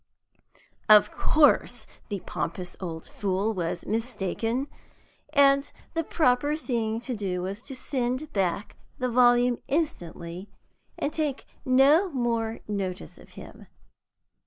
Of course the pompous old fool was mistaken, and the proper thing to do was to send back the volume instantly and take no more notice of him.